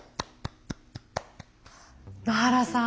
野原さん。